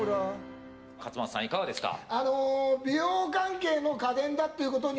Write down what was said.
勝俣さん、いかがですか？